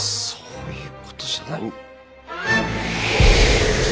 そういうことじゃない。